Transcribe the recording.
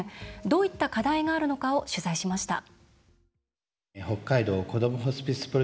どういった課題があるのかを取材しました。